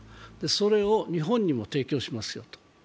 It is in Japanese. それを日本にも提供しますよと。